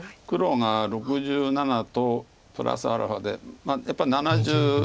黒が６７とプラスアルファでやっぱり７０。